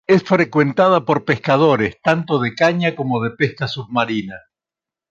Es frecuentada por pescadores, tanto de caña como de pesca submarina.